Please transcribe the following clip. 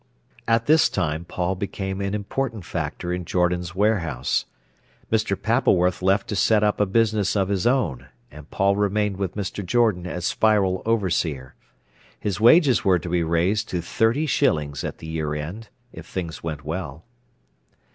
At this time Paul became an important factor in Jordan's warehouse. Mr. Pappleworth left to set up a business of his own, and Paul remained with Mr. Jordan as Spiral overseer. His wages were to be raised to thirty shillings at the year end, if things went well.